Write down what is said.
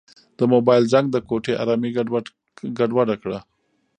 د موبایل زنګ د کوټې ارامي ګډوډه کړه.